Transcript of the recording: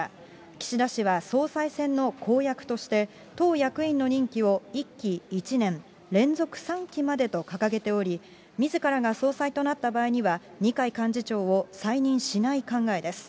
岸田氏は総裁選の公約として、党役員の任期を１期１年、連続３期までと掲げており、みずからが総裁となった場合には、二階幹事長を再任しない考えです。